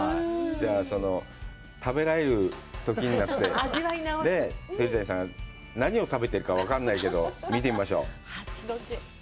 じゃあ、その食べられるときになって、何を食べてるか、分からないけど、見てみましょう。